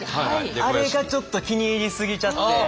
あれがちょっと気に入り過ぎちゃって。